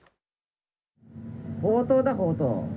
強盗だ、強盗。